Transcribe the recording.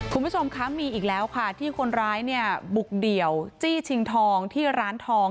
คุณผู้ชมคะมีอีกแล้วค่ะที่คนร้ายเนี่ยบุกเดี่ยวจี้ชิงทองที่ร้านทอง